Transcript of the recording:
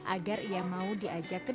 agar dia bisa berjaga